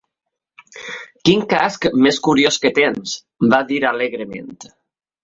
Quin casc més curiós que tens!, va dir alegrement.